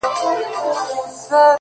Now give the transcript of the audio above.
• تا ویل د بنده ګانو نګهبان یم ,